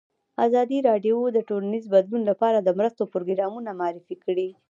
ازادي راډیو د ټولنیز بدلون لپاره د مرستو پروګرامونه معرفي کړي.